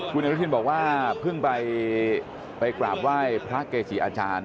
คุณอนุทินบอกว่าเพิ่งไปกราบไหว้พระเกจิอาจารย์